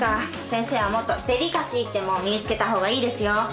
先生はもっとデリカシーってもんを身に付けた方がいいですよ。